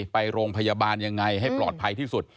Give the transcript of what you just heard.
ไปโรงพยาบาลยังไงให้ปลอดภัยที่สุด